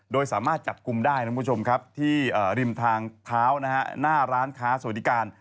โดยสามารถจับกลุ่มได้ที่ริมทางเท้าหน้าร้านค้าสวดิการ